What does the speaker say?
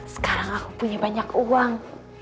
sekarang aku punya banyak uang